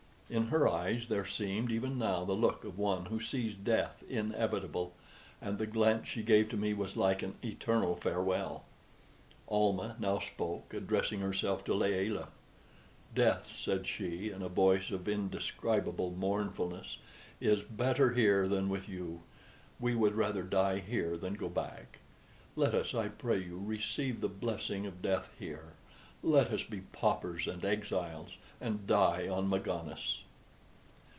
In her eyes there seemed even now the look of one who sees death inevitable, and the glance she gave to me was like an eternal farewell. Almah now spoke, addressing herself to Layelah. "Death," said she, in a voice of indescribable mournfulness, "is better here than with you. We would rather die here than go back. Let us, I pray you, receive the blessing of death here. Let us be paupers and exiles, and die on Magones."